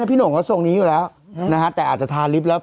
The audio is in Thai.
พี่หงก็ทรงนี้อยู่แล้วนะฮะแต่อาจจะทาลิฟต์แล้ว